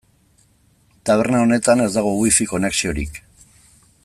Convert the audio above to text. Taberna honetan ez dago Wi-Fi konexiorik.